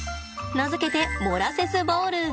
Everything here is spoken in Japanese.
名付けてモラセスボール。